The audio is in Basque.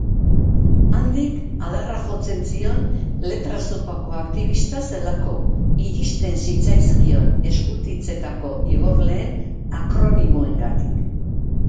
Andyk adarra jotzen zion letra-zopako aktibista zelako, iristen zitzaizkion eskutitzetako igorleen akronimoengatik.